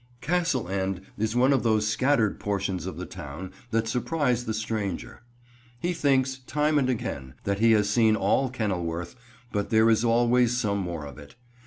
Castle End is one of those scattered portions of the town that surprise the stranger. He thinks, time and again, that he has seen all Kenilworth, but there is always some more of it.